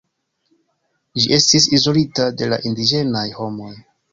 Ĝi estis izolita de la indiĝenaj homoj.